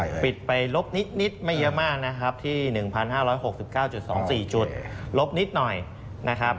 ปิดไปลบนิดไม่เยอะมากนะครับที่๑๕๖๙๒๔จุดลบนิดหน่อยนะครับ